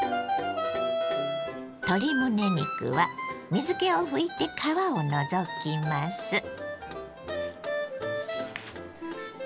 鶏むね肉は水けを拭いて皮を除きます。